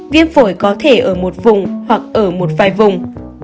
viêm phổi có thể ở một vùng hoặc ở một vài vùng